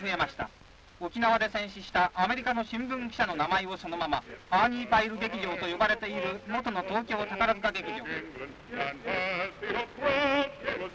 沖縄で戦死したアメリカの新聞記者の名前をそのままアーニーパイル劇場と呼ばれている元の東京宝塚劇場」。